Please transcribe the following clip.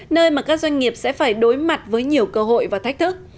nơi mà các doanh nghiệp sẽ phải đối mặt với nhiều cơ hội và thách thức